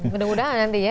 mudah mudahan nanti ya